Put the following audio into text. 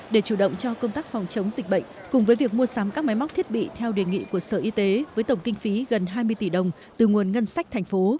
để chủ động cho công tác phòng chống dịch bệnh cùng với việc mua sắm các máy móc thiết bị theo đề nghị của sở y tế với tổng kinh phí gần hai mươi tỷ đồng từ nguồn ngân sách thành phố